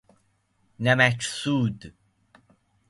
نمک سود